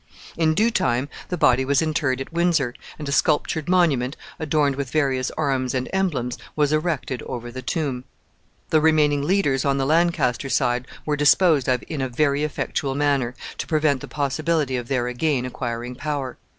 In due time the body was interred at Windsor, and a sculptured monument, adorned with various arms and emblems, was erected over the tomb. [Illustration: TOMB OF HENRY VI.] The remaining leaders on the Lancaster side were disposed of in a very effectual manner, to prevent the possibility of their again acquiring power.